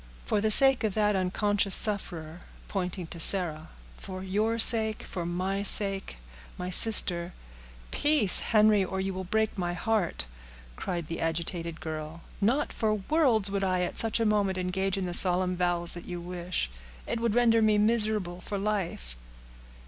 "For the sake of that unconscious sufferer"—pointing to Sarah, "for your sake—for my sake—my sister—" "Peace, Henry, or you will break my heart," cried the agitated girl. "Not for worlds would I at such a moment engage in the solemn vows that you wish. It would render me miserable for life."